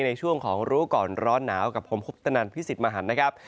ในช่วงของรู้ก่อนร้อนหนาวกับผมคุปตนันพิสิทธิ์มหันนะครับ